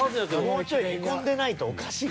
「もうちょいヘコんでないとおかしい」？